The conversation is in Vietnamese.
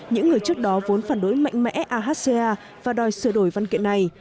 những người trước đó vốn phản đối mạnh mẽ ahca và đòi sửa đổi văn kiện này